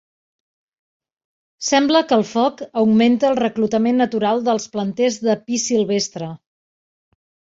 Sembla que el foc augmenta el reclutament natural dels planters de pi silvestre.